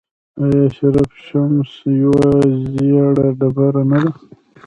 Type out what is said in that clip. آیا شرف الشمس یوه ژیړه ډبره نه ده؟